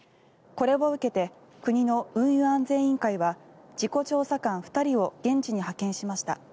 これを受けて国の運輸安全委員会は事故調査官２人を現地に派遣しました。